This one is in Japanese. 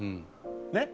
ねっ。